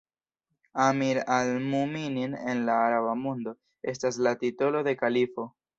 Amir al-Mu'minin en la araba mondo estas la titolo de kalifo.